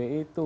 yang pbb itu